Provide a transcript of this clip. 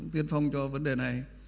tiên phong cho vấn đề này